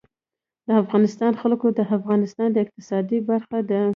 د افغانستان جلکو د افغانستان د اقتصاد برخه ده.